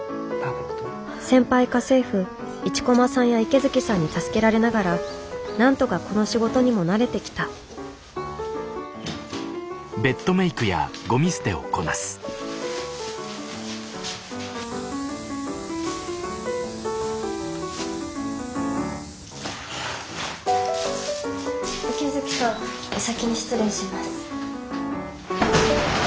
先輩家政婦一駒さんや池月さんに助けられながらなんとかこの仕事にも慣れてきた池月さんお先に失礼します。